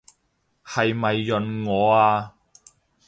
係咪潤我啊？